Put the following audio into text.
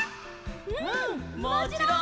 うんもちろん！